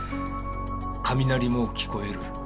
雷も聞こえる。